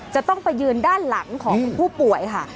จะต้องไปยืนด้านหลังของผู้ป่วยค่ะ